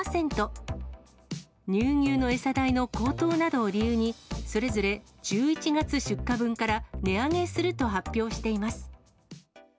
乳牛の餌代の高騰などを理由に、それぞれ１１月出荷分から値上げすると発表しています。